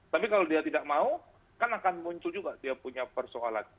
tapi kalau dia tidak mau kan akan muncul juga dia punya persoalan